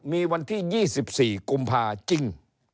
มีวันที่๒๔กุมภาจริง